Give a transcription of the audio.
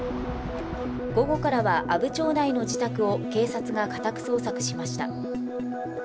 午後からは阿武町内の自宅を警察が家宅捜索しました。